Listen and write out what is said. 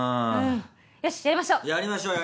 よしやりましょう！